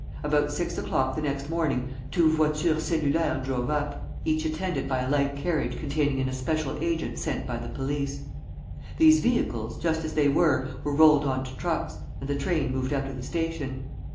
About six o'clock the next morning two voitures cellulaires drove up, each attended by a light carriage containing an especial agent sent by the police. These vehicles, just as they were, were rolled on to trucks, and the train moved out of the station.